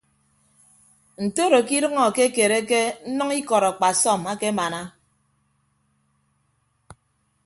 Ntoro ke idʌñ akekereke nnʌñ ikọd akpasọm akemana.